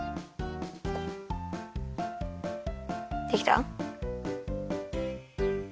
できた？